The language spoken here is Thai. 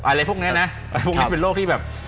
อะไรพวกนี้นะเป็นโรคเลยที่แบบ